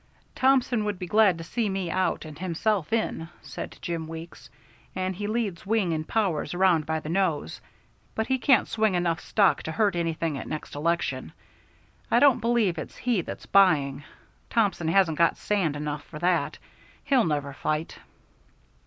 "Thompson would be glad to see me out and himself in," said Jim Weeks, "and he leads Wing and Powers around by the nose, but he can't swing enough stock to hurt anything at next election. I don't believe it's he that's buying. Thompson hasn't got sand enough for that. He'll never fight."